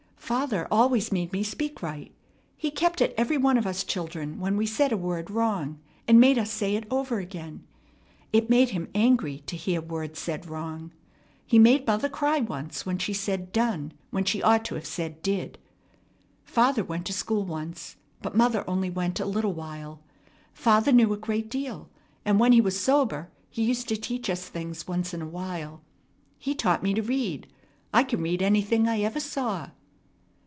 "Father always made me speak right. He kept at every one of us children when we said a word wrong, and made us say it over again. It made him angry to hear words said wrong. He made mother cry once when she said 'done' when she ought to have said 'did.' Father went to school once, but mother only went a little while. Father knew a great deal, and when he was sober he used to teach us things once in a while. He taught me to read. I can read anything I ever saw."